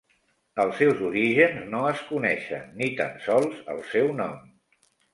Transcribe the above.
Els seus orígens no es coneixen, ni tan sols el seu nom.